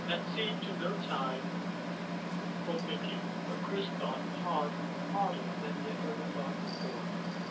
That seemed no time for thinking, but Chris thought hard harder than he had ever thought before.